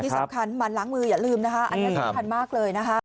สำคัญมันล้างมืออย่าลืมนะคะอันนี้สำคัญมากเลยนะคะ